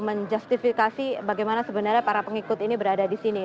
menjustifikasi bagaimana sebenarnya para pengikut ini berada di sini